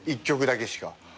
１曲だけしか。